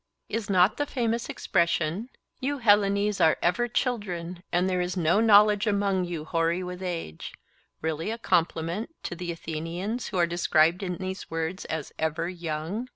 Is not the famous expression—'You Hellenes are ever children and there is no knowledge among you hoary with age,' really a compliment to the Athenians who are described in these words as 'ever young'?